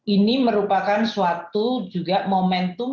ini merupakan suatu juga momentum